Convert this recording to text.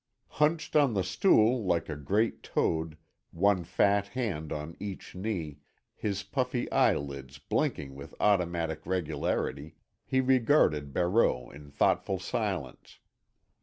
Hunched on the stool like a great toad, one fat hand on each knee, his puffy eyelids blinking with automatic regularity, he regarded Barreau in thoughtful silence.